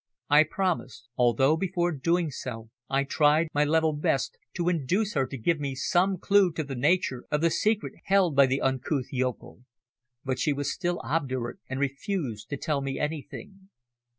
I promised, although before doing so I tried my level best to induce her to give me some clue to the nature of the secret held by the uncouth yokel. But she was still obdurate and refused to tell me anything.